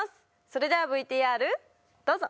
それではＶＴＲどうぞ！